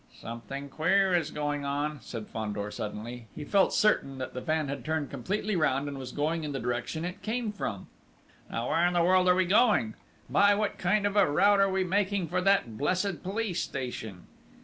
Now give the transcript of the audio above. "Something queer is going on!" said Fandor suddenly. He felt certain the van had turned completely round and was going in the direction it came from. "Now where in the world are we going?... By what kind of a route are we making for that blessed police station?"